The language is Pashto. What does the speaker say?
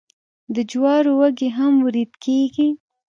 د جوارو وږي هم وریت کیږي.